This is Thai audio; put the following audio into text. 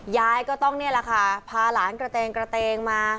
ยายก็ต้องนี่แหละค่ะพาหลานกระเตงกระเตงมา